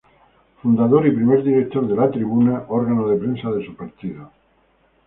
Fundador y primer director de "La Tribuna", órgano de prensa de su partido.